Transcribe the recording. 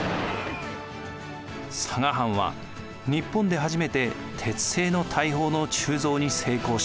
佐賀藩は日本で初めて鉄製の大砲の鋳造に成功します。